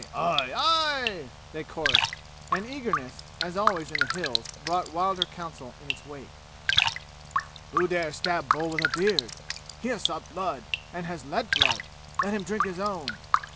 Aye! Aye!" they chorused. And eagerness, as always in the "Hills," brought wilder counsel in its wake. "Who dare stab Bull with a beard? He has sought blood and has let blood. Let him drink his own."